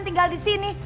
tinggal di sini